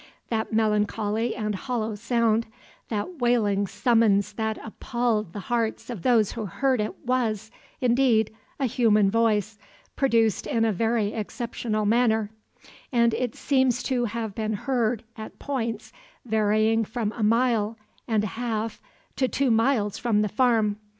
That melancholy and hollow sound, that wailing summons that appalled the hearts of those who heard it was, indeed, a human voice, produced in a very exceptional manner; and it seems to have been heard at points varying from a mile and a half to two miles from the farm.